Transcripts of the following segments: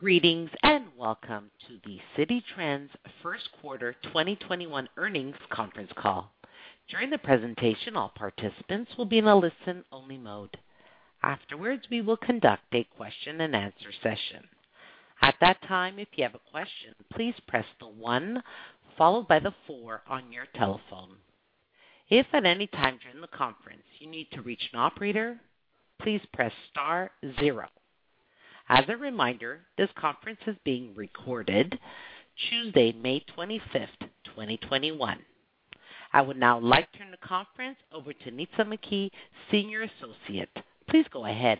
Greetings and welcome to the Citi Trends First Quarter 2021 Earnings Conference Call. During the presentation, all participants will be in a listen-only mode. Afterwards, we will conduct a question-and-answer session. At that time, if you have a question, please press the one followed by the four on your telephone. If at any time during the conference you need to reach an operator, please press star zero. As a reminder, this conference is being recorded. Tuesday, May 25th, 2021. I would now like to turn the conference over to Nitza McKee, Senior Associate. Please go ahead.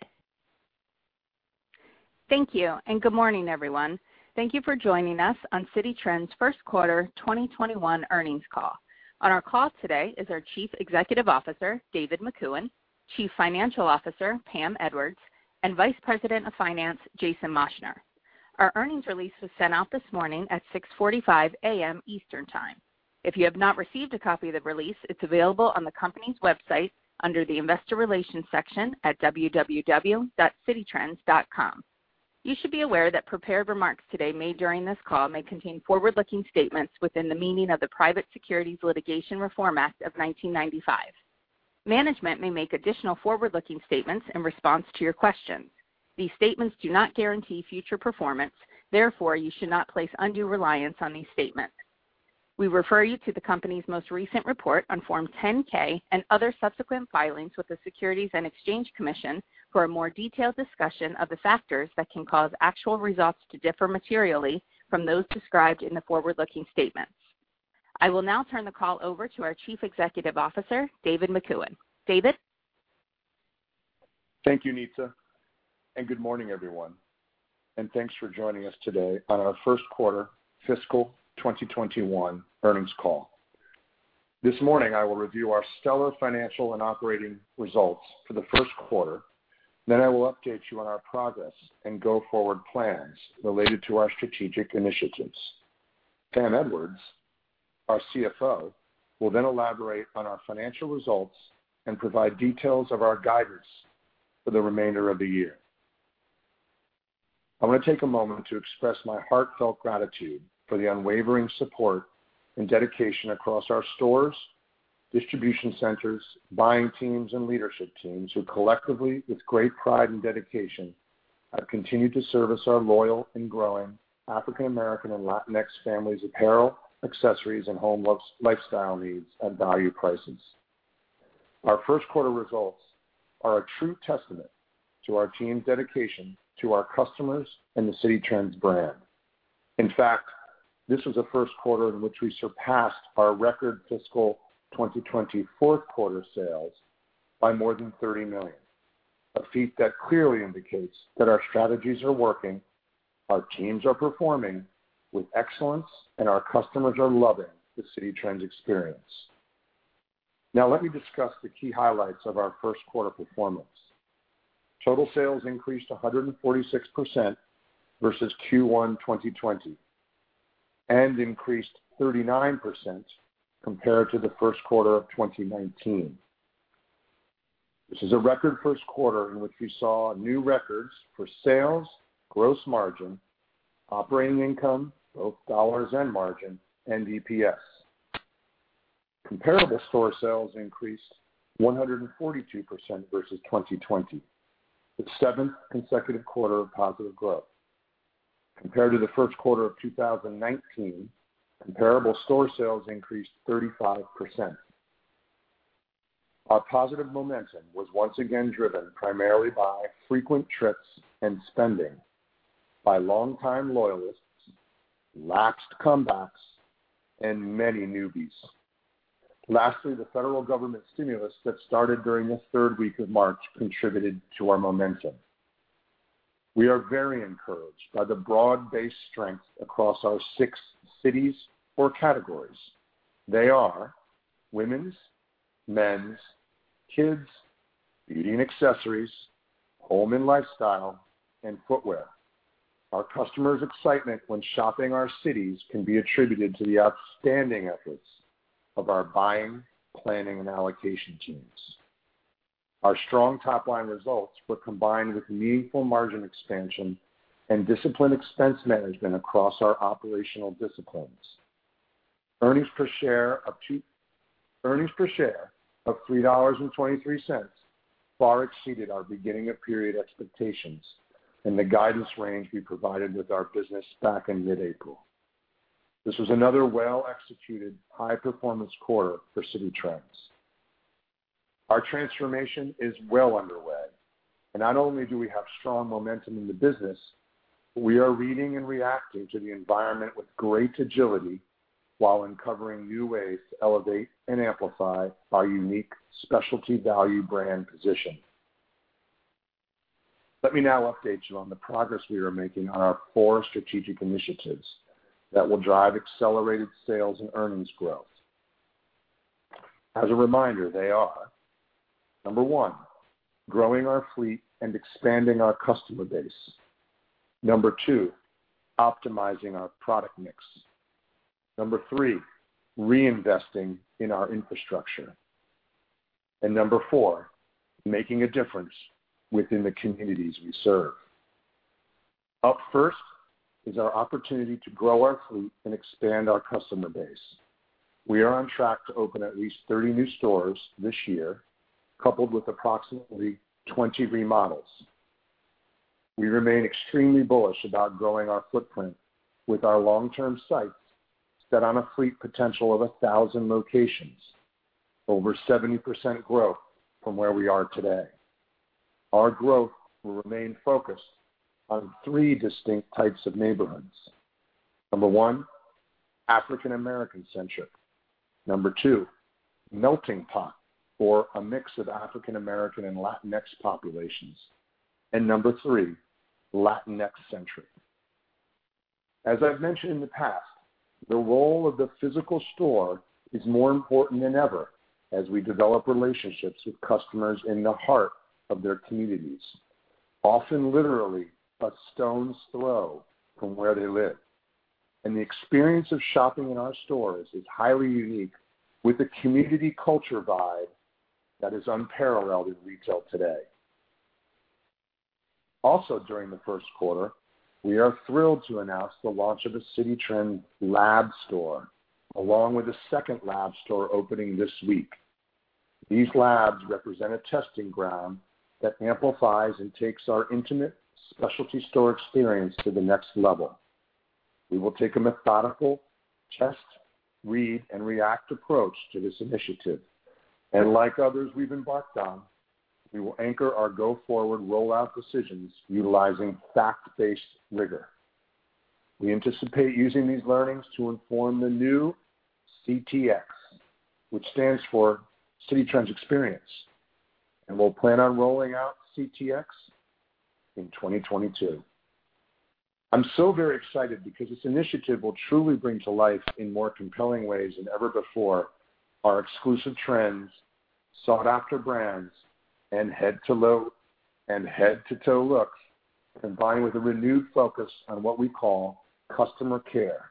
Thank you and good morning, everyone. Thank you for joining us on Citi Trends First Quarter 2021 Earnings Call. On our call today is our Chief Executive Officer, David McEwen, Chief Financial Officer, Pam Edwards, and Vice President of Finance, Jason Moschner. Our earnings release was sent out this morning at 6:45 A.M. Eastern Time. If you have not received a copy of the release, it is available on the company's website under the Investor Relations section at www.cititrends.com. You should be aware that prepared remarks today made during this call may contain forward looking statements within the meaning of the Private Securities Litigation Reform Act of 1995. Management may make additional forward looking statements in response to your questions. These statements do not guarantee future performance, therefore, you should not place undue reliance on these statements. We refer you to the company's most recent report on Form 10-K and other subsequent filings with the Securities and Exchange Commission for a more detailed discussion of the factors that can cause actual results to differ materially from those described in the forward-looking statements. I will now turn the call over to our Chief Executive Officer, David McEwen. David. Thank you, Nitza, and good morning, everyone. Thank you for joining us today on our First Quarter Fiscal 2021 Earnings Call. This morning, I will review our stellar financial and operating results for the first quarter. I will update you on our progress and go forward plans related to our strategic initiatives. Pam Edwards, our CFO, will then elaborate on our financial results and provide details of our guidance for the remainder of the year. I want to take a moment to express my heartfelt gratitude for the unwavering support and dedication across our stores, distribution centers, buying teams, and leadership teams who collectively, with great pride and dedication, have continued to service our loyal and growing African American and Latinx families' apparel, accessories, and home lifestyle needs at value prices. Our first quarter results are a true testament to our team's dedication to our customers and the Citi Trends brand. In fact, this was a first quarter in which we surpassed our record fiscal 2020 fourth quarter sales by more than $30 million, a feat that clearly indicates that our strategies are working, our teams are performing with excellence, and our customers are loving the Citi Trends experience. Now, let me discuss the key highlights of our first quarter performance. Total sales increased 146% versus Q1 2020 and increased 39% compared to the first quarter of 2019. This is a record first quarter in which we saw new records for sales, gross margin, operating income, both dollars and margin, and EPS. Comparable store sales increased 142% versus 2020, the seventh consecutive quarter of positive growth. Compared to the first quarter of 2019, comparable store sales increased 35%. Our positive momentum was once again driven primarily by frequent trips and spending, by longtime loyalists, lapsed comebacks, and many newbies. Lastly, the federal government stimulus that started during the third week of March contributed to our momentum. We are very encouraged by the broad-based strength across our six categories. They are: women's, men's, kids, beauty and accessories, home and lifestyle, and footwear. Our customers' excitement when shopping our citis can be attributed to the outstanding efforts of our buying, planning, and allocation teams. Our strong top-line results were combined with meaningful margin expansion and disciplined expense management across our operational disciplines. Earnings per share of $3.23 far exceeded our beginning of period expectations and the guidance range we provided with our business back in mid-April. This was another well-executed, high-performance quarter for Citi Trends. Our transformation is well underway, and not only do we have strong momentum in the business, but we are reading and reacting to the environment with great agility while uncovering new ways to elevate and amplify our unique specialty value brand position. Let me now update you on the progress we are making on our four strategic initiatives that will drive accelerated sales and earnings growth. As a reminder, they are: number one, growing our fleet and expanding our customer base; number two, optimizing our product mix; number three, reinvesting in our infrastructure; and number four, making a difference within the communities we serve. Up first is our opportunity to grow our fleet and expand our customer base. We are on track to open at least 30 new stores this year, coupled with approximately 20 remodels. We remain extremely bullish about growing our footprint with our long-term sites set on a fleet potential of 1,000 locations, over 70% growth from where we are today. Our growth will remain focused on three distinct types of neighborhoods: number one, African American-centric; number two, melting pot or a mix of African American and Latinx populations; and number three, Latinx-centric. As I've mentioned in the past, the role of the physical store is more important than ever as we develop relationships with customers in the heart of their communities, often literally a stone's throw from where they live. The experience of shopping in our stores is highly unique, with a community culture vibe that is unparalleled in retail today. Also, during the first quarter, we are thrilled to announce the launch of a Citi Trends Lab store, along with a second lab store opening this week. These labs represent a testing ground that amplifies and takes our intimate specialty store experience to the next level. We will take a methodical test, read, and react approach to this initiative. Like others we have embarked on, we will anchor our go-forward rollout decisions utilizing fact-based rigor. We anticipate using these learnings to inform the new CTX, which stands for Citi Trends Experience, and we will plan on rolling out CTX in 2022. I am so very excited because this initiative will truly bring to life, in more compelling ways than ever before, our exclusive trends, sought-after brands, and head-to-toe looks, combined with a renewed focus on what we call customer care,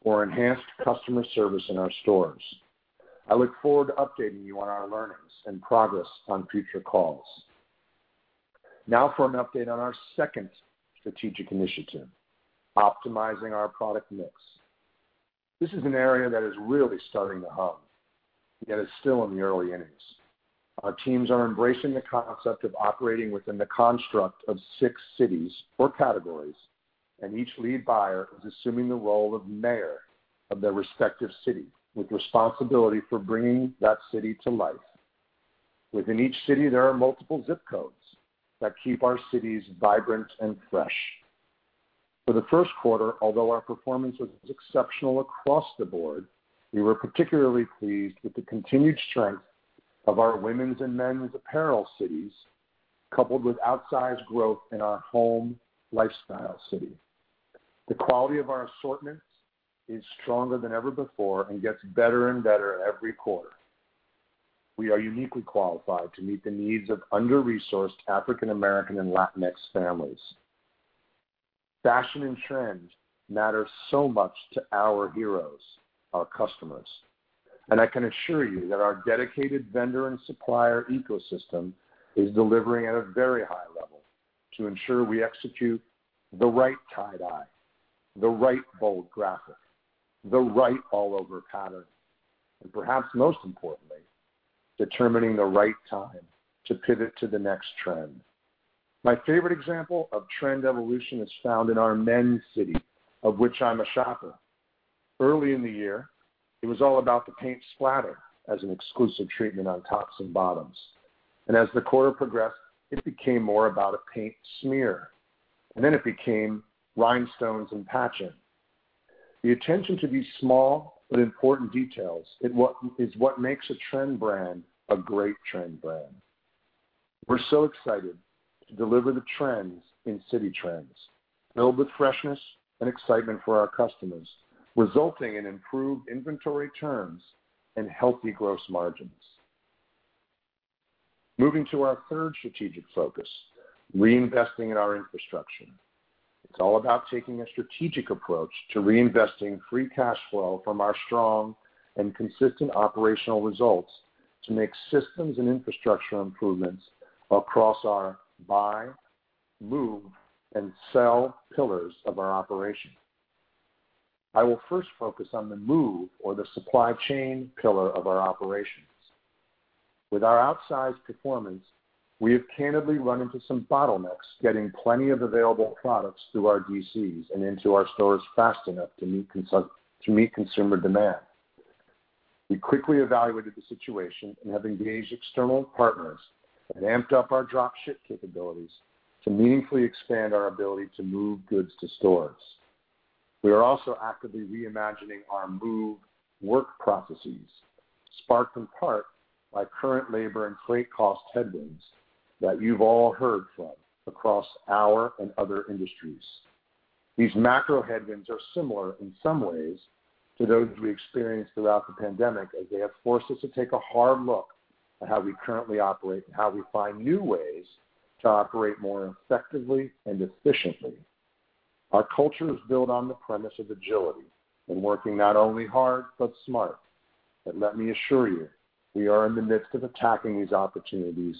or enhanced customer service in our stores. I look forward to updating you on our learnings and progress on future calls. Now for an update on our second strategic initiative, optimizing our product mix. This is an area that is really starting to hum, yet it's still in the early innings. Our teams are embracing the concept of operating within the construct of six cities or categories, and each lead buyer is assuming the role of mayor of their respective city, with responsibility for bringing that city to life. Within each city, there are multiple zip codes that keep our cities vibrant and fresh. For the first quarter, although our performance was exceptional across the board, we were particularly pleased with the continued strength of our women's and men's apparel cities, coupled with outsized growth in our home lifestyle city. The quality of our assortment is stronger than ever before and gets better and better every quarter. We are uniquely qualified to meet the needs of under resourced African American and Latinx families. Fashion and trends matter so much to our heroes, our customers, and I can assure you that our dedicated vendor and supplier ecosystem is delivering at a very high level to ensure we execute the right tie-dye, the right bold graphic, the right all-over pattern, and perhaps most importantly, determining the right time to pivot to the next trend. My favorite example of trend evolution is found in our men's city, of which I'm a shopper. Early in the year, it was all about the paint splatter as an exclusive treatment on tops and bottoms, and as the quarter progressed, it became more about a paint smear, and then it became rhinestones and patching. The attention to these small but important details is what makes a trend brand a great trend brand. We're so excited to deliver the trends in Citi Trends, filled with freshness and excitement for our customers, resulting in improved inventory turns and healthy gross margins. Moving to our third strategic focus, reinvesting in our infrastructure. It's all about taking a strategic approach to reinvesting free cash flow from our strong and consistent operational results to make systems and infrastructure improvements across our buy, move, and sell pillars of our operation. I will first focus on the move, or the supply chain pillar, of our operations. With our outsized performance, we have candidly run into some bottlenecks getting plenty of available products through our DCs and into our stores fast enough to meet consumer demand. We quickly evaluated the situation and have engaged external partners and amped up our dropship capabilities to meaningfully expand our ability to move goods to stores. We are also actively reimagining our move work processes, sparked in part by current labor and freight cost headwinds that you've all heard from across our and other industries. These macro headwinds are similar in some ways to those we experienced throughout the pandemic, as they have forced us to take a hard look at how we currently operate and how we find new ways to operate more effectively and efficiently. Our culture is built on the premise of agility and working not only hard but smart. Let me assure you, we are in the midst of attacking these opportunities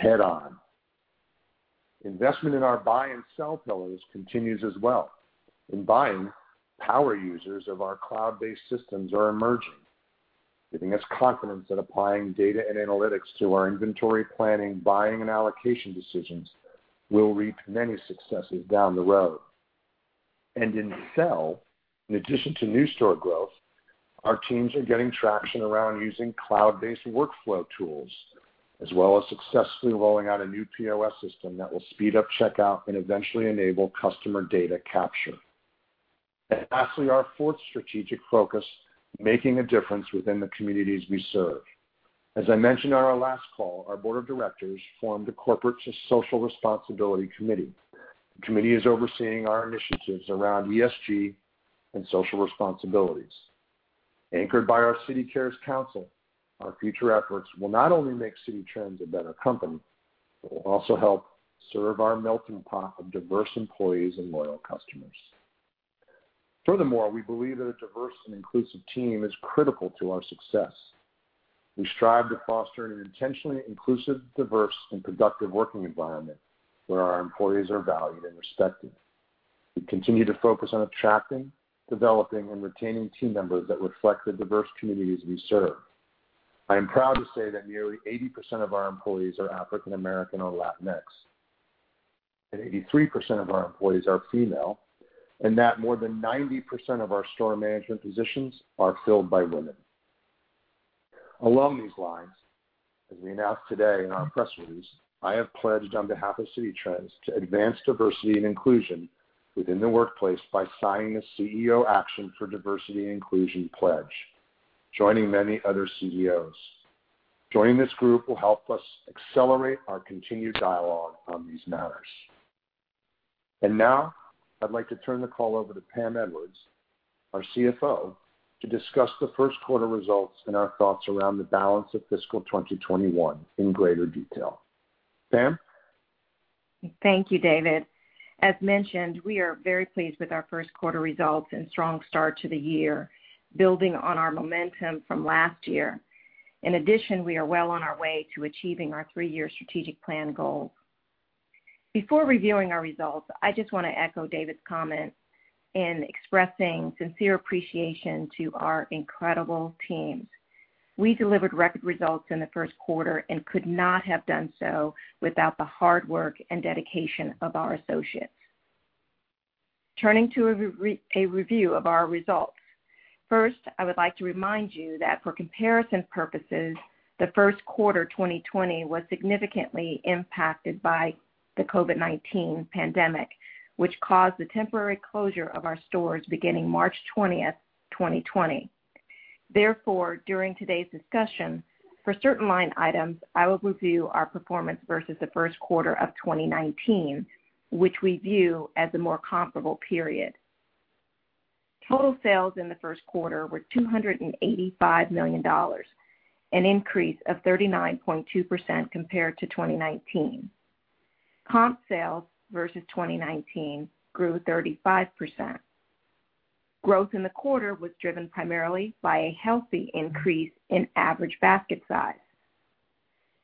head-on. Investment in our buy and sell pillars continues as well. In buying, power users of our cloud-based systems are emerging, giving us confidence that applying data and analytics to our inventory planning, buying, and allocation decisions will reap many successes down the road. In sale, in addition to new store growth, our teams are getting traction around using cloud-based workflow tools, as well as successfully rolling out a new POS system that will speed up checkout and eventually enable customer data capture. Lastly, our fourth strategic focus, making a difference within the communities we serve. As I mentioned on our last call, our board of directors formed a corporate social responsibility committee. The committee is overseeing our initiatives around ESG and social responsibilities. Anchored by our Citi Cares Council, our future efforts will not only make Citi Trends a better company, but will also help serve our melting pot of diverse employees and loyal customers. Furthermore, we believe that a diverse and inclusive team is critical to our success. We strive to foster an intentionally inclusive, diverse, and productive working environment where our employees are valued and respected. We continue to focus on attracting, developing, and retaining team members that reflect the diverse communities we serve. I am proud to say that nearly 80% of our employees are African American or Latinx, and 83% of our employees are female, and that more than 90% of our store management positions are filled by women. Along these lines, as we announced today in our press release, I have pledged on behalf of Citi Trends to advance diversity and inclusion within the workplace by signing the CEO Action for Diversity and Inclusion pledge, joining many other CEOs. Joining this group will help us accelerate our continued dialogue on these matters. Now, I'd like to turn the call over to Pam Edwards, our CFO, to discuss the first quarter results and our thoughts around the balance of fiscal 2021 in greater detail. Pam? Thank you, David. As mentioned, we are very pleased with our first quarter results and strong start to the year, building on our momentum from last year. In addition, we are well on our way to achieving our three-year strategic plan goals. Before reviewing our results, I just want to echo David's comment in expressing sincere appreciation to our incredible teams. We delivered record results in the first quarter and could not have done so without the hard work and dedication of our associates. Turning to a review of our results, first, I would like to remind you that for comparison purposes, the first quarter 2020 was significantly impacted by the COVID-19 pandemic, which caused the temporary closure of our stores beginning March 20, 2020. Therefore, during today's discussion, for certain line items, I will review our performance versus the first quarter of 2019, which we view as a more comparable period. Total sales in the first quarter were $285 million, an increase of 39.2% compared to 2019. Comp sales versus 2019 grew 35%. Growth in the quarter was driven primarily by a healthy increase in average basket size.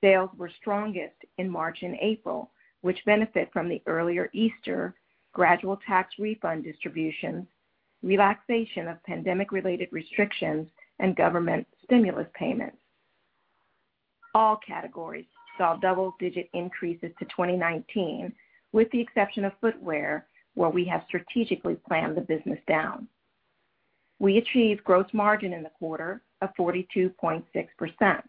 Sales were strongest in March and April, which benefited from the earlier Easter, gradual tax refund distributions, relaxation of pandemic-related restrictions, and government stimulus payments. All categories saw double digit increases to 2019, with the exception of footwear, where we have strategically planned the business down. We achieved gross margin in the quarter of 42.6%, an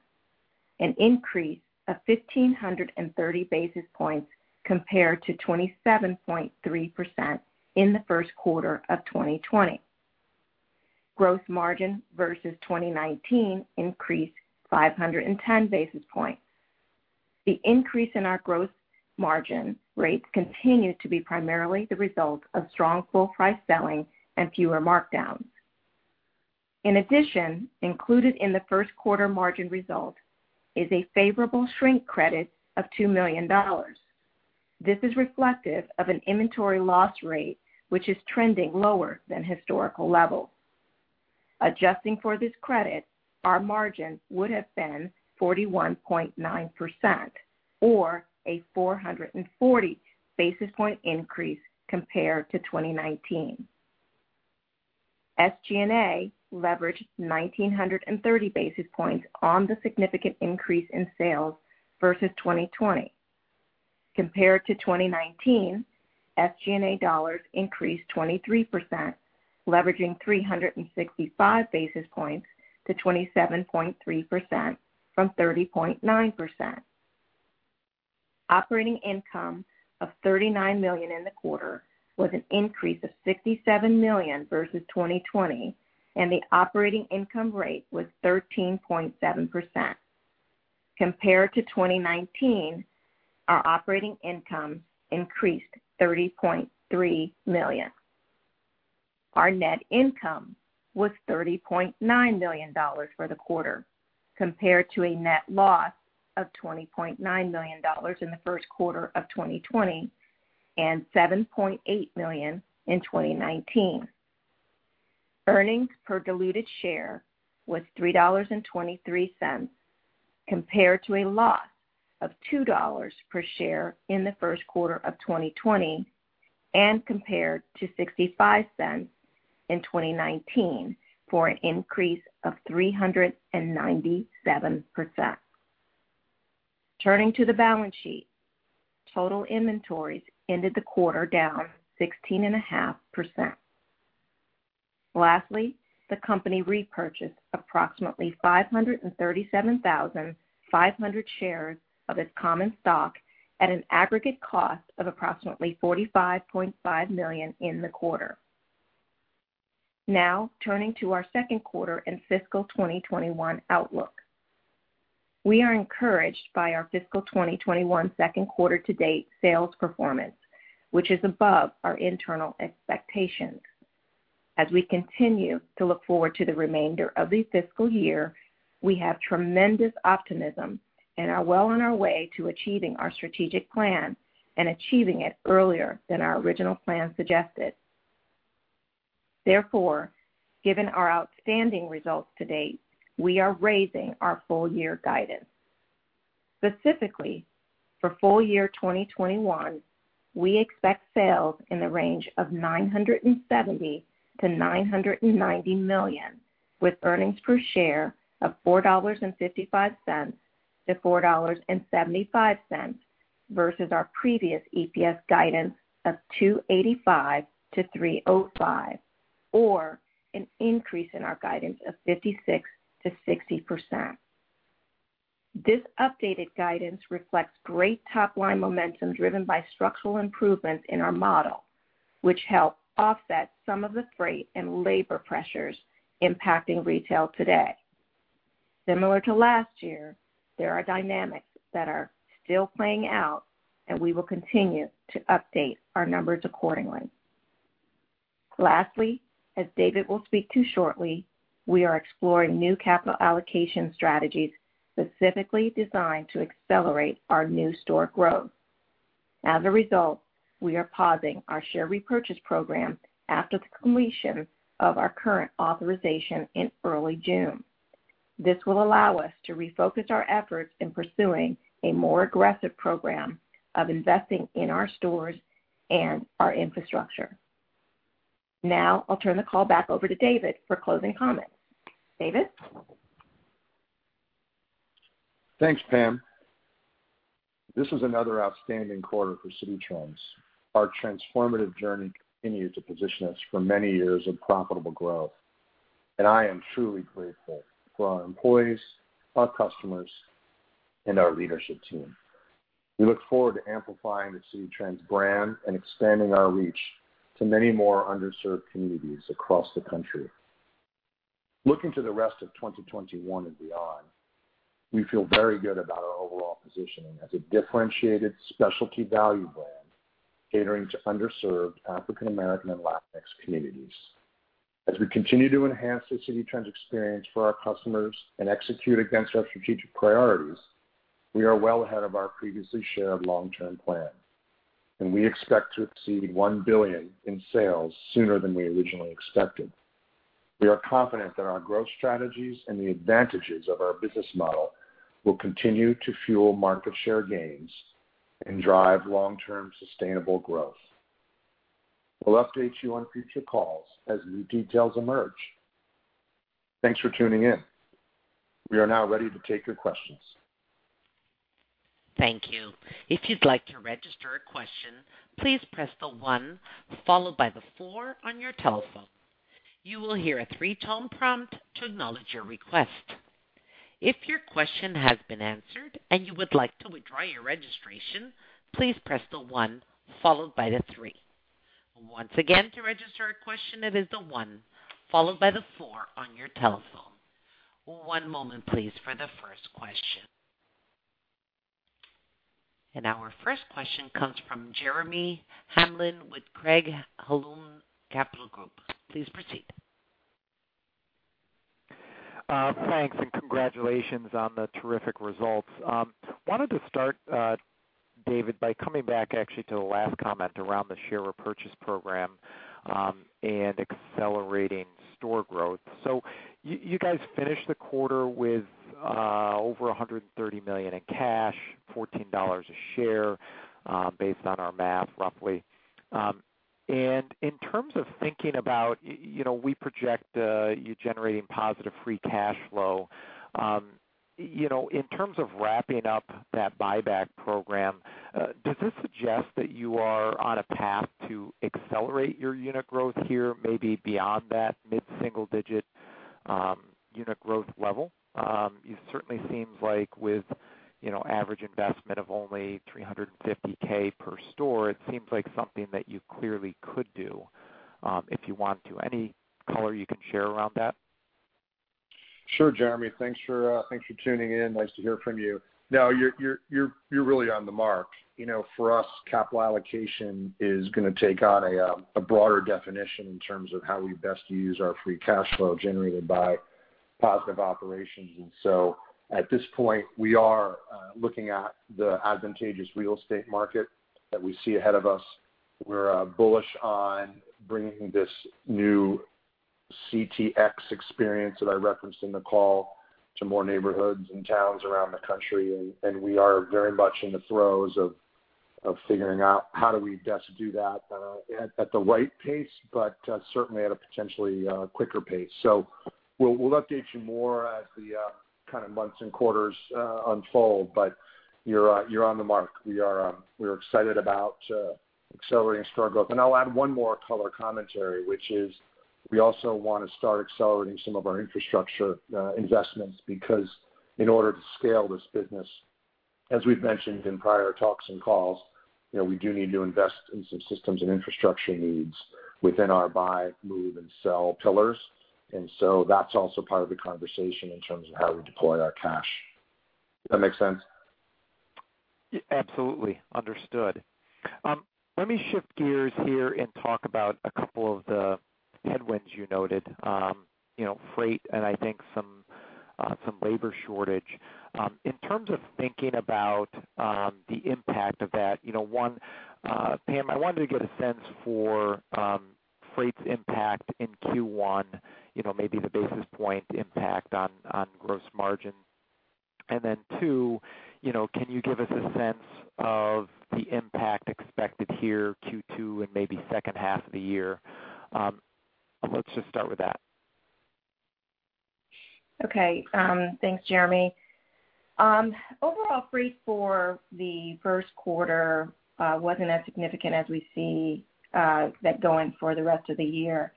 increase of 1,530 basis points compared to 27.3% in the first quarter of 2020. Gross margin versus 2019 increased by 510 basis points. The increase in our gross margin rates continued to be primarily the result of strong full-price selling and fewer markdowns. In addition, included in the first quarter margin result is a favorable shrink credit of $2 million. This is reflective of an inventory loss rate, which is trending lower than historical levels. Adjusting for this credit, our margin would have been 41.9%, or a 440 basis point increase compared to 2019. SG&A leveraged 1,930 basis points on the significant increase in sales versus 2020. Compared to 2019, SG&A dollars increased 23%, leveraging 365 basis points to 27.3% from 30.9%. Operating income of $39 million in the quarter was an increase of $67 million versus 2020, and the operating income rate was 13.7%. Compared to 2019, our operating income increased $30.3 million. Our net income was $30.9 million for the quarter, compared to a net loss of $20.9 million in the first quarter of 2020 and $7.8 million in 2019. Earnings per diluted share was $3.23, compared to a loss of $2 per share in the first quarter of 2020 and compared to $0.65 in 2019 for an increase of 397%. Turning to the balance sheet, total inventories ended the quarter down 16.5%. Lastly, the company repurchased approximately 537,500 shares of its common stock at an aggregate cost of approximately $45.5 million in the quarter. Now, turning to our second quarter and fiscal 2021 outlook, we are encouraged by our fiscal 2021 second quarter-to-date sales performance, which is above our internal expectations. As we continue to look forward to the remainder of the fiscal year, we have tremendous optimism and are well on our way to achieving our strategic plan and achieving it earlier than our original plan suggested. Therefore, given our outstanding results to date, we are raising our full-year guidance. Specifically, for full year 2021, we expect sales in the range of $970 million-$990 million, with earnings per share of $4.55-$4.75 versus our previous EPS guidance of $2.85-$3.05, or an increase in our guidance of 56%-60%. This updated guidance reflects great top-line momentum driven by structural improvements in our model, which help offset some of the freight and labor pressures impacting retail today. Similar to last year, there are dynamics that are still playing out, and we will continue to update our numbers accordingly. Lastly, as David will speak to shortly, we are exploring new capital allocation strategies specifically designed to accelerate our new store growth. As a result, we are pausing our share repurchase program after the completion of our current authorization in early June. This will allow us to refocus our efforts in pursuing a more aggressive program of investing in our stores and our infrastructure. Now, I'll turn the call back over to David for closing comments. David? Thanks, Pam. This is another outstanding quarter for Citi Trends. Our transformative journey continues to position us for many years of profitable growth, and I am truly grateful for our employees, our customers, and our leadership team. We look forward to amplifying the Citi Trends brand and expanding our reach to many more underserved communities across the country. Looking to the rest of 2021 and beyond, we feel very good about our overall positioning as a differentiated specialty value brand catering to underserved African American Latinx communities. As we continue to enhance the Citi Trends experience for our customers and execute against our strategic priorities, we are well ahead of our previously shared long-term plan, and we expect to exceed $1 billion in sales sooner than we originally expected. We are confident that our growth strategies and the advantages of our business model will continue to fuel market share gains and drive long-term sustainable growth. We will update you on future calls as new details emerge. Thanks for tuning in. We are now ready to take your questions. Thank you. If you would like to register a question, please press the one followed by the four on your telephone. You will hear a three tone prompt to acknowledge your request. If your question has been answered and you would like to withdraw your registration, please press the one followed by the three. Once again, to register a question, it is the 1 followed by the 4 on your telephone. One moment, please, for the first question. Our first question comes from Jeremy Hamlin with Craig-Hallum Capital Group. Please proceed. Thanks, and congratulations on the terrific results. I wanted to start, David, by coming back actually to the last comment around the share repurchase program and accelerating store growth. You guys finished the quarter with over $130 million in cash, $14 a share based on our math roughly. In terms of thinking about we project you generating positive free cash flow. In terms of wrapping up that buyback program, does this suggest that you are on a path to accelerate your unit growth here, maybe beyond that mid-single-digit unit growth level? It certainly seems like with average investment of only $350,000 per store, it seems like something that you clearly could do if you want to. Any color you can share around that? Sure, Jeremy. Thanks for tuning in. Nice to hear from you. No, you're really on the mark. For us, capital allocation is going to take on a broader definition in terms of how we best use our free cash flow generated by positive operations. At this point, we are looking at the advantageous real estate market that we see ahead of us. We're bullish on bringing this new CTX experience that I referenced in the call to more neighborhoods and towns around the country. We are very much in the throes of figuring out how do we best do that at the right pace, but certainly at a potentially quicker pace. We will update you more as the months and quarters unfold, but you're on the mark. We are excited about accelerating store growth. I will add one more color commentary, which is we also want to start accelerating some of our infrastructure investments because in order to scale this business, as we've mentioned in prior talks and calls, we do need to invest in some systems and infrastructure needs within our buy, move, and sell pillars. That is also part of the conversation in terms of how we deploy our cash. Does that make sense? Absolutely. Understood. Let me shift gears here and talk about a couple of the headwinds you noted, freight, and I think some labor shortage. In terms of thinking about the impact of that, one, Pam, I wanted to get a sense for freight's impact in Q1, maybe the basis point impact on gross margin. Then two, can you give us a sense of the impact expected here Q2 and maybe second half of the year? Let's just start with that. Okay. Thanks, Jeremy. Overall, freight for the first quarter was not as significant as we see that going for the rest of the year.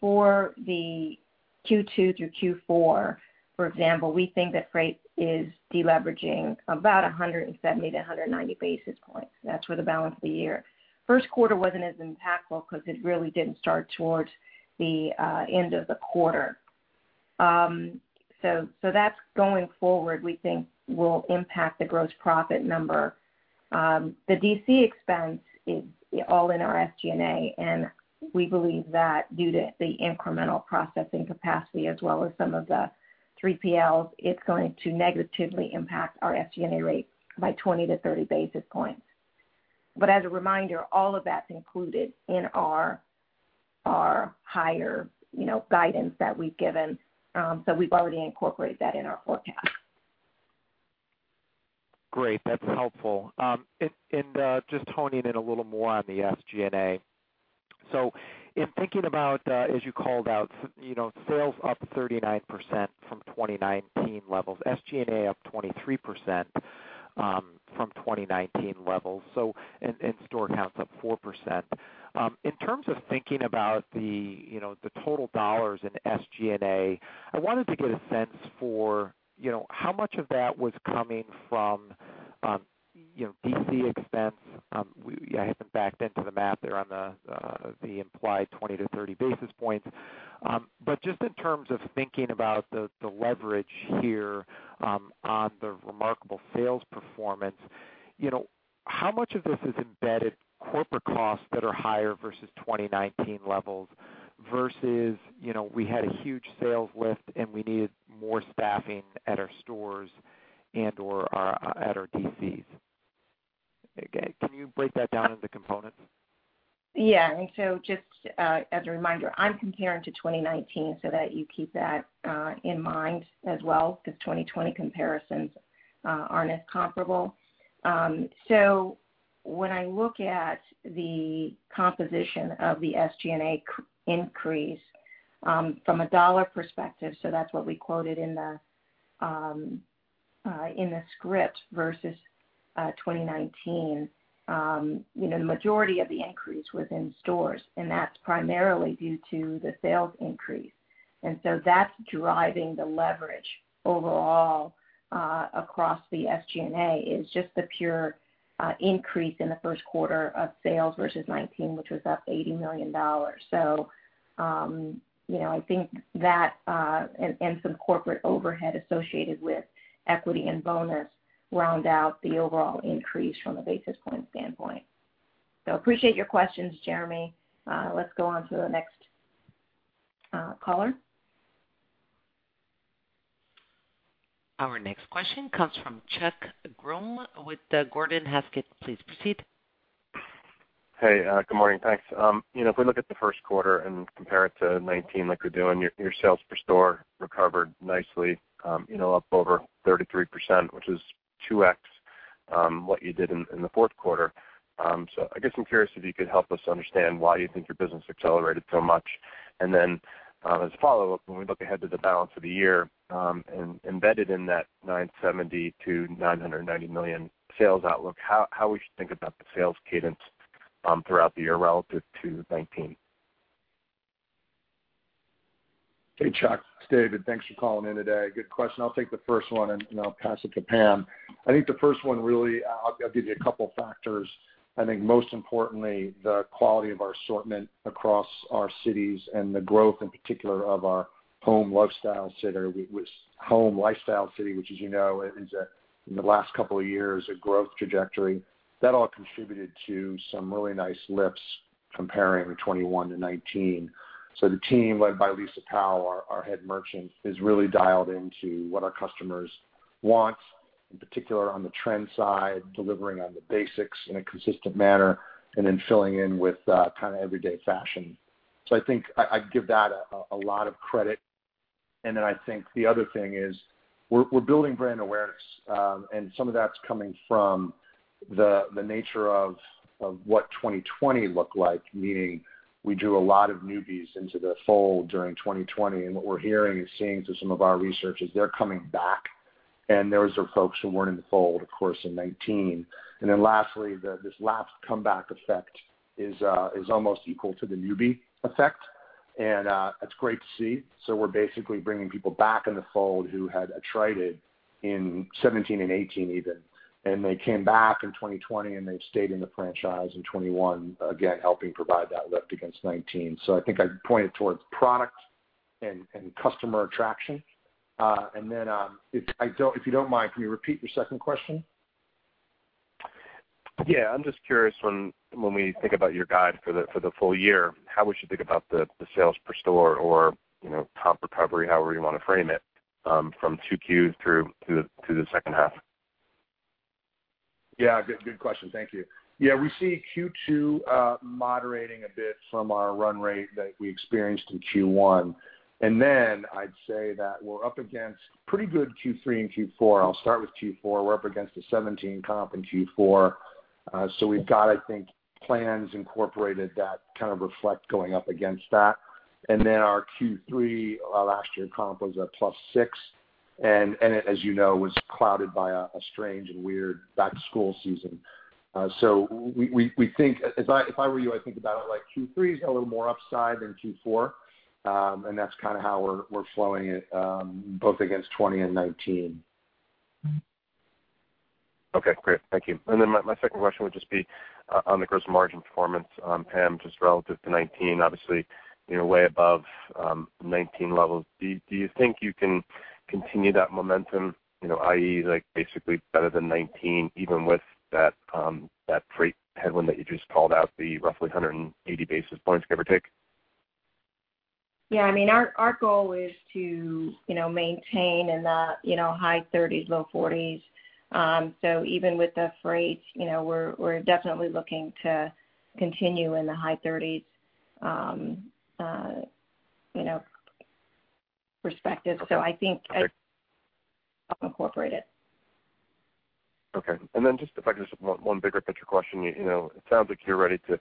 For Q2 through Q4, for example, we think that freight is deleveraging about 170-190 basis points. That is for the balance of the year. First quarter was not as impactful because it really did not start towards the end of the quarter. That is going forward, we think, will impact the gross profit number. The DC expense is all in our SG&A, and we believe that due to the incremental processing capacity as well as some of the 3PLs, it's going to negatively impact our SG&A rate by 20-30 basis points. As a reminder, all of that's included in our higher guidance that we've given. We've already incorporated that in our forecast. Great. That's helpful. Ju st honing in a little more on the SG&A. In thinking about, as you called out, sales up 39% from 2019 levels, SG&A up 23% from 2019 levels, and store counts up 4%. In terms of thinking about the total dollars in SG&A, I wanted to get a sense for how much of that was coming from DC expense. I haven't backed into the math there on the implied 20-30 basis points. Just in terms of thinking about the leverage here on the remarkable sales performance, how much of this is embedded corporate costs that are higher versus 2019 levels versus we had a huge sales lift and we needed more staffing at our stores and/or at our DCs? Can you break that down into components? Yeah. Just as a reminder, I'm comparing to 2019 so that you keep that in mind as well because 2020 comparisons aren't as comparable. When I look at the composition of the SG&A increase from a dollar perspective, so that's what we quoted in the script versus 2019, the majority of the increase was in stores, and that's primarily due to the sales increase. That's driving the leverage overall across the SG&A, just the pure increase in the first quarter of sales versus 2019, which was up $80 million. I think that and some corporate overhead associated with equity and bonus round out the overall increase from a basis point standpoint. Appreciate your questions, Jeremy. Let's go on to the next caller. Our next question comes from Chuck Grom with Gordon Haskett. Please proceed. Hey, good morning. Thanks. If we look at the first quarter and compare it to 2019 like we're doing, your sales per store recovered nicely, up over 33%, which is 2x what you did in the fourth quarter. I guess I'm curious if you could help us understand why you think your business accelerated so much. As a follow-up, when we look ahead to the balance of the year and embedded in that $970-$990 million sales outlook, how we should think about the sales cadence throughout the year relative to 2019. Hey, Chuck. David, thanks for calling in today. Good question. I'll take the first one and I'll pass it to Pam. I think the first one really I'll give you a couple of factors. I think most importantly, the quality of our assortment across our cities and the growth in particular of our home lifestyle center, home lifestyle city, which, as you know, is in the last couple of years a growth trajectory. That all contributed to some really nice lifts comparing 2021 to 2019. The team led by Lisa Powell, our head merchant, has really dialed into what our customers want, in particular on the trend side, delivering on the basics in a consistent manner, and then filling in with kind of everyday fashion. I think I'd give that a lot of credit. I think the other thing is we're building brand awareness, and some of that's coming from the nature of what 2020 looked like, meaning we drew a lot of newbies into the fold during 2020. What we're hearing and seeing through some of our research is they're coming back, and there were folks who weren't in the fold, of course, in 2019. Lastly, this last comeback effect is almost equal to the newbie effect, and it's great to see. We're basically bringing people back in the fold who had trited in 2017 and 2018 even. They came back in 2020, and they've stayed in the franchise in 2021, again, helping provide that lift against 2019. I think I pointed towards product and customer attraction. If you don't mind, can you repeat your second question? Yeah. I'm just curious when we think about your guide for the full year, how we should think about the sales per store or top recovery, however you want to frame it, from Q2 through the second half? Good question. Thank you. Yeah. We see Q2 moderating a bit from our run rate that we experienced in Q1. I'd say that we're up against pretty good Q3 and Q4. I'll start with Q4. We're up against a 17% comp in Q4. We've got, I think, plans incorporated that kind of reflect going up against that. Our Q3 last year comp was a +6%, and as you know, was clouded by a strange and weird back-to-school season. We think, if I were you, I'd think about it like Q3 is a little more upside than Q4, and that's kind of how we're flowing it both against 2020 and 2019. Okay. Great. Thank you. My second question would just be on the gross margin performance, Pam, just relative to 2019, obviously way above 2019 levels. Do you think you can continue that momentum, i.e., basically better than 2019, even with that freight headwind that you just called out, the roughly 180 basis points, give or take? Yeah. I mean, our goal is to maintain in the high 30s, low 40s. Even with the freight, we're definitely looking to continue in the high 30s perspective. I think incorporate it. If I could just have one bigger picture question. It sounds like you're ready to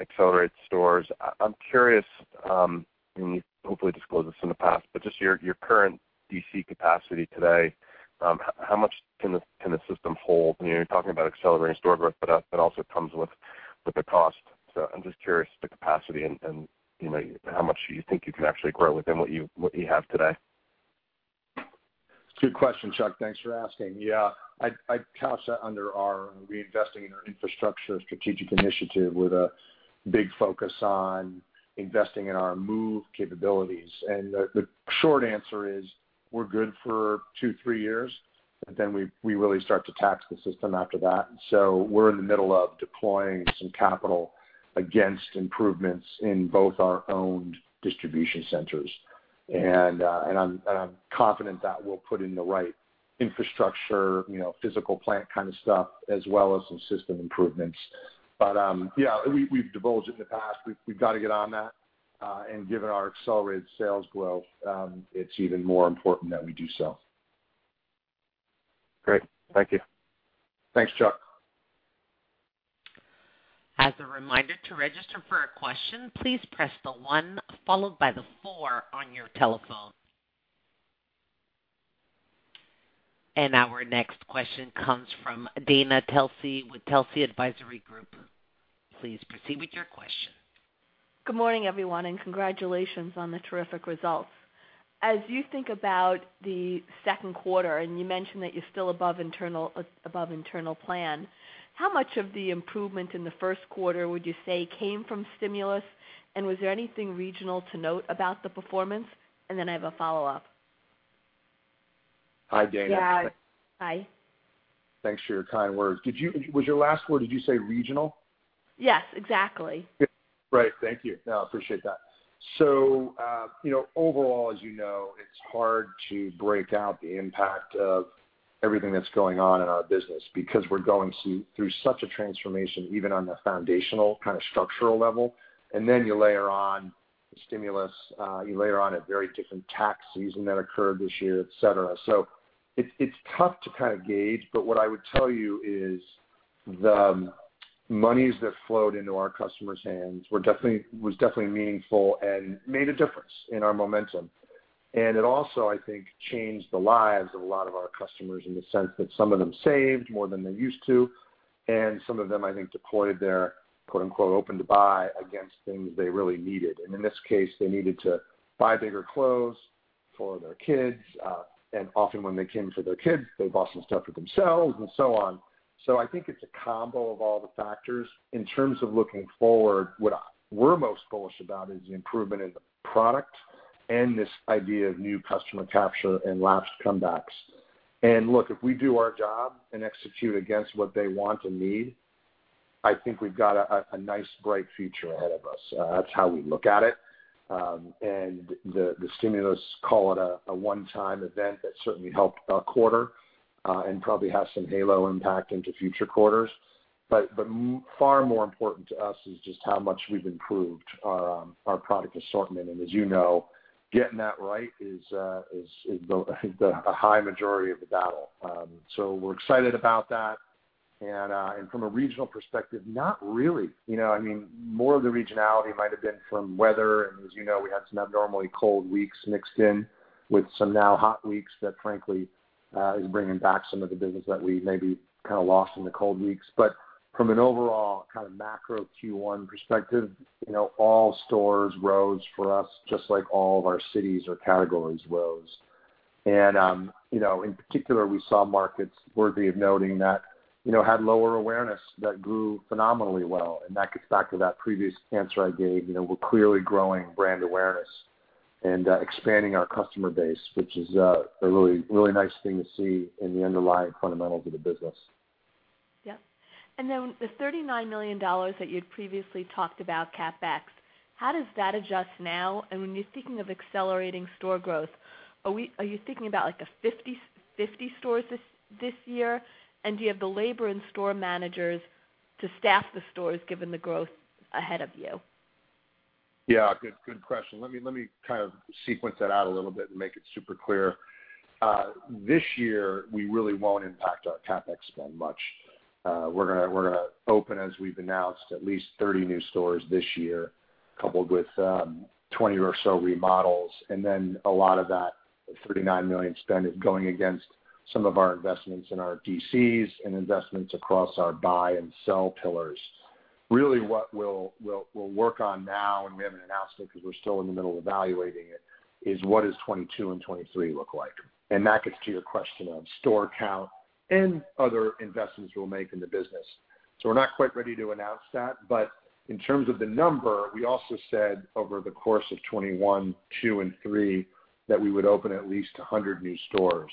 accelerate stores. I'm curious, and you've hopefully disclosed this in the past, but just your current DC capacity today, how much can the system hold? You're talking about accelerating store growth, but it also comes with the cost. I'm just curious the capacity and how much you think you can actually grow within what you have today. It's a good question, Chuck. Thanks for asking. I couch that under our reinvesting in our infrastructure strategic initiative with a big focus on investing in our move capabilities. The short answer is we're good for two, three years, but then we really start to tax the system after that. We're in the middle of deploying some capital against improvements in both our own distribution centers. I'm confident that we'll put in the right infrastructure, physical plant kind of stuff, as well as some system improvements. Yeah, we've divulged it in the past. We've got to get on that. Given our accelerated sales growth, it's even more important that we do so. Great. Thank you. Thanks, Chuck. As a reminder, to register for a question, please press the one followed by the four on your telephone. Our next question comes from Dana Telsey with Telsey Advisory Group. Please proceed with your question. Good morning, everyone, and congratulations on the terrific results. As you think about the second quarter, and you mentioned that you're still above internal plan, how much of the improvement in the first quarter would you say came from stimulus, and was there anything regional to note about the performance? I have a follow-up. Hi, Dana. Hi. Thanks for your kind words. Was your last word, did you say regional? Yes, exactly. Right. Thank you. No, I appreciate that. Overall, as you know, it's hard to break out the impact of everything that's going on in our business because we're going through such a transformation, even on the foundational kind of structural level. You layer on stimulus, you layer on a very different tax season that occurred this year, etc. It's tough to kind of gauge, but what I would tell you is the moneys that flowed into our customers' hands was definitely meaningful and made a difference in our momentum. It also, I think, changed the lives of a lot of our customers in the sense that some of them saved more than they used to, and some of them, I think, deployed their "open to buy" against things they really needed. In this case, they needed to buy bigger clothes for their kids. Often when they came for their kids, they bought some stuff for themselves and so on. I think it's a combo of all the factors. In terms of looking forward, what we're most bullish about is the improvement in the product and this idea of new customer capture and last comebacks. Look, if we do our job and execute against what they want and need, I think we've got a nice bright future ahead of us. That's how we look at it. The stimulus, call it a one-time event, certainly helped a quarter and probably has some halo impact into future quarters. Far more important to us is just how much we've improved our product assortment. As you know, getting that right is the high majority of the battle. We're excited about that. From a regional perspective, not really. I mean, more of the regionality might have been from weather. And as you know, we had some abnormally cold weeks mixed in with some now hot weeks that, frankly, is bringing back some of the business that we maybe kind of lost in the cold weeks. From an overall kind of macro Q1 perspective, all stores rose for us, just like all of our cities or categories rose. In particular, we saw markets worthy of noting that had lower awareness that grew phenomenally well. That gets back to that previous answer I gave. We're clearly growing brand awareness and expanding our customer base, which is a really nice thing to see in the underlying fundamentals of the business. Yep. The $39 million that you'd previously talked about, CapEx, how does that adjust now? When you're thinking of accelerating store growth, are you thinking about 50 stores this year? Do you have the labor and store managers to staff the stores given the growth ahead of you? Good question. Let me kind of sequence that out a little bit and make it super clear. This year, we really will not impact our CapEx spend much. We're going to open, as we've announced, at least 30 new stores this year, coupled with 20 or so remodels. A lot of that $39 million spend is going against some of our investments in our DCs and investments across our buy and sell pillars. Really, what we'll work on now, and we have not announced it because we're still in the middle of evaluating it, is what does 2022 and 2023 look like? That gets to your question of store count and other investments we'll make in the business. We're not quite ready to announce that. In terms of the number, we also said over the course of 2021, 2022, and 2023 that we would open at least 100 new stores.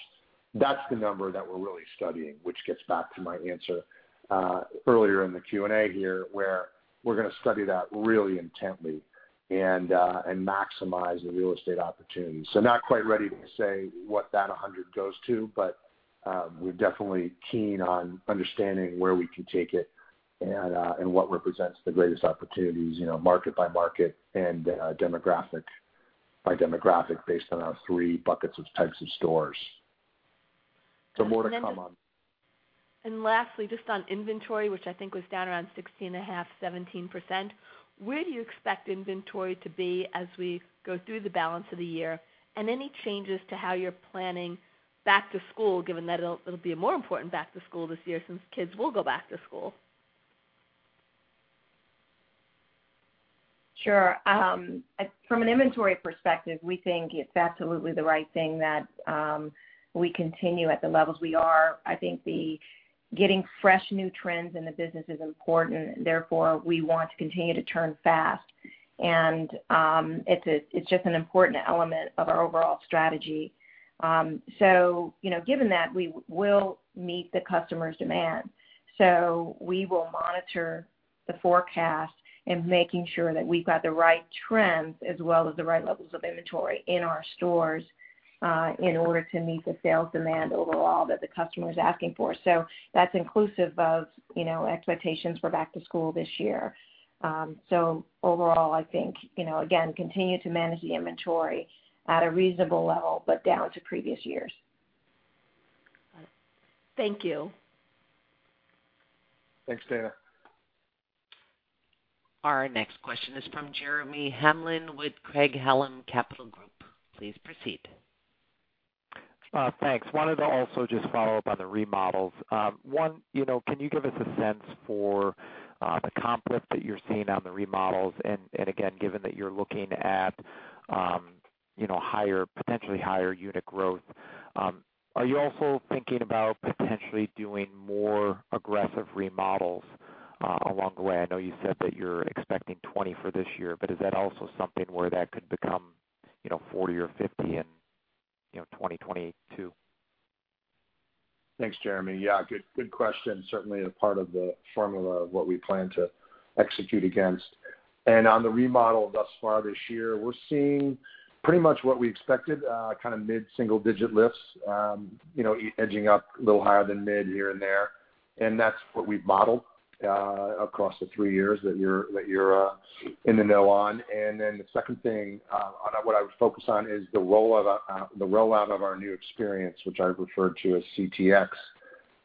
That's the number that we're really studying, which gets back to my answer earlier in the Q&A here, where we're going to study that really intently and maximize the real estate opportunity. We're not quite ready to say what that 100 goes to, but we're definitely keen on understanding where we can take it and what represents the greatest opportunities, market by market and demographic by demographic based on our three buckets of types of stores. More to come on that. Lastly, just on inventory, which I think was down around 16.5%-17%, where do you expect inventory to be as we go through the balance of the year? Any changes to how you're planning back to school, given that it'll be a more important back to school this year since kids will go back to school? Sure. From an inventory perspective, we think it's absolutely the right thing that we continue at the levels we are. I think getting fresh new trends in the business is important. Therefore, we want to continue to turn fast. It's just an important element of our overall strategy. Given that, we will meet the customer's demand. We will monitor the forecast and make sure that we've got the right trends as well as the right levels of inventory in our stores in order to meet the sales demand overall that the customer is asking for. That is inclusive of expectations for back to school this year. Overall, I think, again, continue to manage the inventory at a reasonable level, but down to previous years. Thank you. Thanks, Dana. Our next question is from Jeremy Hamlin with Craig-Hallum Capital Group. Please proceed. Thanks. Wanted to also just follow up on the remodels. One, can you give us a sense for the comp lift that you're seeing on the remodels? Again, given that you're looking at potentially higher unit growth, are you also thinking about potentially doing more aggressive remodels along the way? I know you said that you're expecting 20 for this year, but is that also something where that could become 40 or 50 in 2022? Thanks, Jeremy. Yeah. Good question. Certainly a part of the formula of what we plan to execute against. On the remodel thus far this year, we're seeing pretty much what we expected, kind of mid-single digit lifts, edging up a little higher than mid here and there. That is what we've modeled across the three years that you're in the know on. The second thing what I would focus on is the rollout of our new experience, which I referred to as CTX.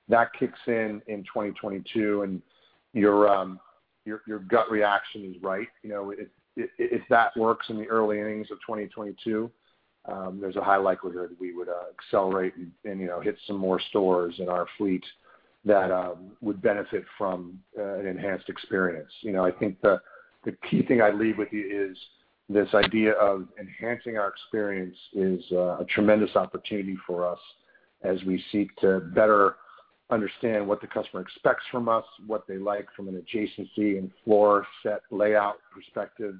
That kicks in in 2022, and your gut reaction is right. If that works in the early innings of 2022, there's a high likelihood we would accelerate and hit some more stores in our fleet that would benefit from an enhanced experience. I think the key thing I'd leave with you is this idea of enhancing our experience is a tremendous opportunity for us as we seek to better understand what the customer expects from us, what they like from an adjacency and floor set layout perspective.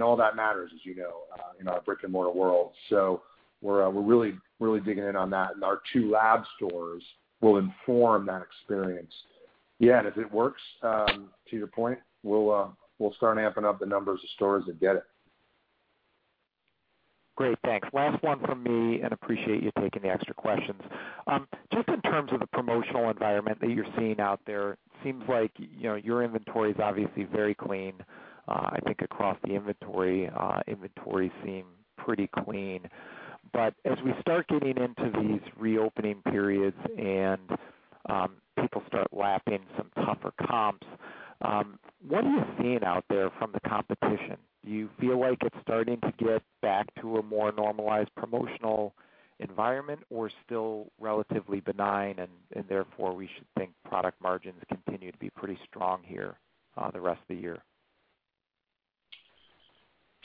All that matters, as you know, in our brick-and-mortar world. We're really digging in on that. Our two lab stores will inform that experience. Yeah. If it works, to your point, we'll start amping up the numbers of stores and get it. Great. Thanks. Last one from me, and appreciate you taking the extra questions. Just in terms of the promotional environment that you're seeing out there, it seems like your inventory is obviously very clean. I think across the inventory, inventory seems pretty clean. As we start getting into these reopening periods and people start lapping some tougher comps, what are you seeing out there from the competition? Do you feel like it's starting to get back to a more normalized promotional environment or still relatively benign, and therefore we should think product margins continue to be pretty strong here the rest of the year?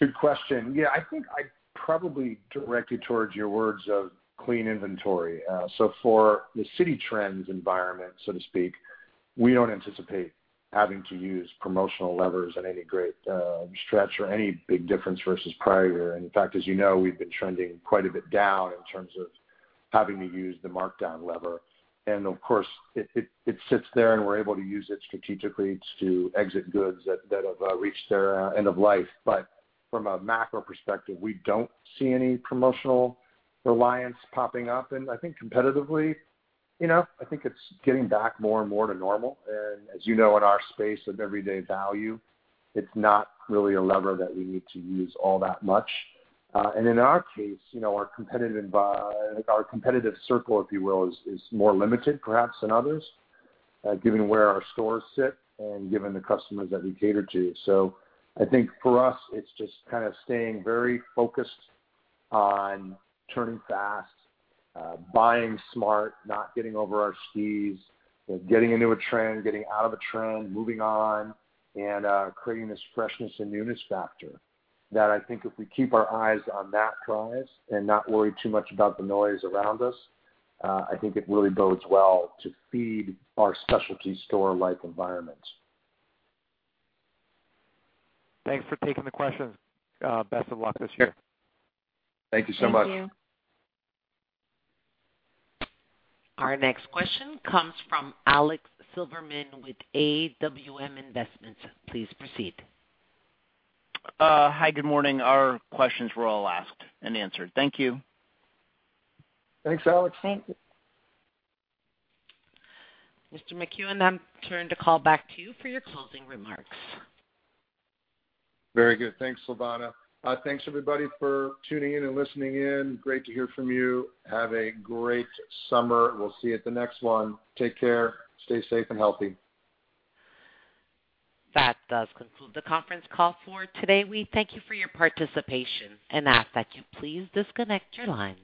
Good question. Yeah. I think I'd probably direct you towards your words of clean inventory. For the Citi Trends environment, so to speak, we don't anticipate having to use promotional levers in any great stretch or any big difference versus prior year. In fact, as you know, we've been trending quite a bit down in terms of having to use the markdown lever. Of course, it sits there, and we're able to use it strategically to exit goods that have reached their end of life. From a macro perspective, we don't see any promotional reliance popping up. I think competitively, I think it's getting back more and more to normal. As you know, in our space of everyday value, it's not really a lever that we need to use all that much. In our case, our competitive circle, if you will, is more limited perhaps than others, given where our stores sit and given the customers that we cater to. I think for us, it's just kind of staying very focused on turning fast, buying smart, not getting over our skis, getting into a trend, getting out of a trend, moving on, and creating this freshness and newness factor. I think if we keep our eyes on that prize and not worry too much about the noise around us, I think it really bodes well to feed our specialty store like environment. Thanks for taking the questions. Best of luck this year. Thank you so much. Thank you. Our next question comes from Alex Silverman with AWM Investments. Please proceed. Hi, good morning. Our questions were all asked and answered. Thank you. Thanks, Alex. Thank you. Mr. McEwen, I am turned to call back to you for your closing remarks. Very good. Thanks, Silvana. Thanks, everybody, for tuning in and listening in. Great to hear from you. Have a great summer. We'll see you at the next one. Take care. Stay safe and healthy. That does conclude the conference call for today. We thank you for your participation and ask that you please disconnect your lines.